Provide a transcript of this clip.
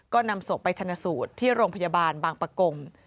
ก็นำศพไปชนะสูตรที่โรงพยาบาลบางประกง